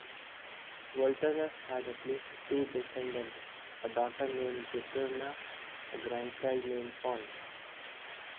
Volturnus had at least two descendants, a daughter named Juturna, a grandchild named Fons.